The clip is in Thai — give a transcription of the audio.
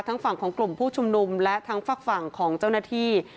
ฝั่งของกลุ่มผู้ชุมนุมและทั้งฝากฝั่งของเจ้าหน้าที่